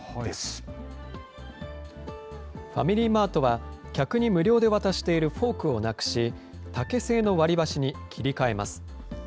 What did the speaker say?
ファミリーマートは、客に無料で渡しているフォークをなくし、竹製の割り箸に切り替えます。